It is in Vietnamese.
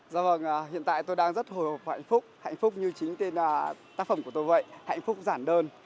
dạ vâng hiện tại tôi đang rất hồi hộp và hạnh phúc hạnh phúc như chính tên tác phẩm của tôi vậy hạnh phúc giản đơn